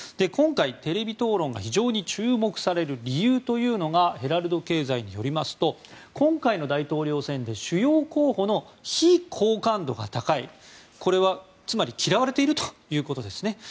今回、テレビ討論が非常に注目される理由というのがヘラルド経済によりますと今回の大統領選で主要候補の非好感度が高いこれはつまり嫌われているということですね。